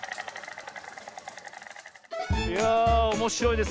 いやあおもしろいですねえ。